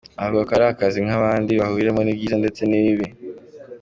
Avuga ko ari akazi nk’akandi bahuriramo n’ibyiza ndetse n’ibibi.